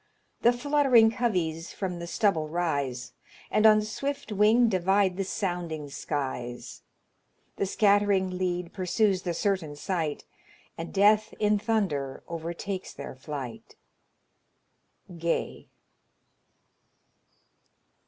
The fluttering coveys from the stubble rise, And on swift wing divide the sounding skies; The scatt'ring lead pursues the certain sight, And death in thunder overtakes their flight." GAY.